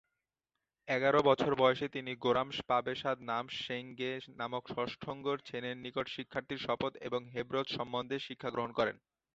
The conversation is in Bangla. এগারো বছর বয়সে তিনি গো-রাম্স-পা-ব্সোদ-নাম্স-সেং-গে নামক ষষ্ঠ ঙ্গোর-ছেনের নিকট শিক্ষার্থীর শপথ এবং হেবজ্র সম্বন্ধে শিক্ষা গ্রহণ করেন।